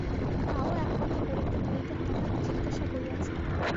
তাও এক কথা বলিতে বলিতে হঠাৎ জিজ্ঞাসা করিয়াছে।